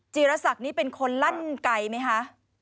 จีรศักดิ์นี่เป็นคนลั่นไกลไหมคะ